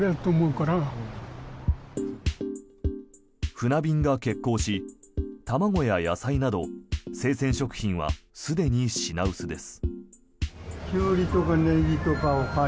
船便が欠航し卵や野菜など生鮮食品はすでに品薄です。